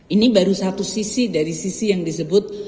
ini baru satu sisi dari sisi yang disebut